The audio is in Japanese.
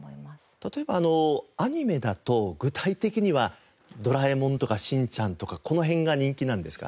例えばあのアニメだと具体的には『ドラえもん』とか『しんちゃん』とかこの辺が人気なんですか？